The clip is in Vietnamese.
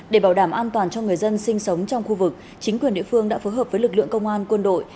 để bảo đảm an toàn cho người dân sinh sống trong khu vực chính quyền địa phương đã phối hợp với lực lượng công an quân đội